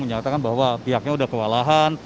menyatakan bahwa pihaknya sudah kewalahan